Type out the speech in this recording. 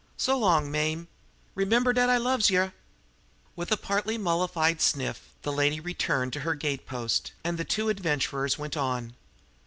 So long, Mame! Remember dat I loves yer!" With a partly mollified sniff, the lady retired to her gate post, and the two adventurers went on.